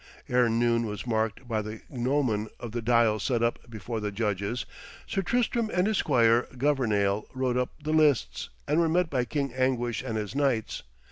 Ere noon was marked by the gnomon of the dial set up before the judges, Sir Tristram and his squire Governale rode up the lists, and were met by King Anguish and his knights.